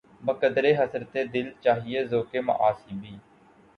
بقدرِ حسرتِ دل‘ چاہیے ذوقِ معاصی بھی